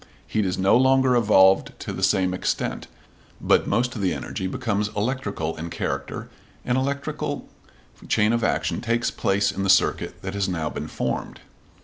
Heat is no longer evolved to the same extent, but most of the energy becomes electrical in character, and an electrical chain of action takes place in the circuit that has now been formed.